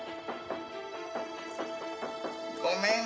ごめん。